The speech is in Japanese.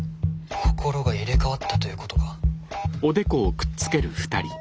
心が入れ代わったということか。